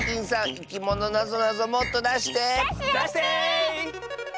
「いきものなぞなぞ」もっとだして！だしてだして！だして！